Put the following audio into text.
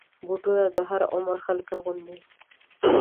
بوټونه د هر عمر خلک اغوندي.